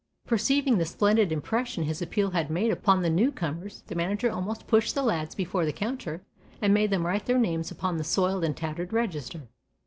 Perceiving the splendid impression his appeal had made upon the newcomers, the manager almost pushed the lads before the counter and made them write their names upon the soiled and tattered register.